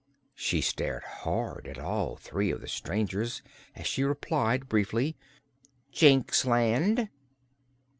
She stared hard at all three of the strangers as she replied briefly: "Jinxland."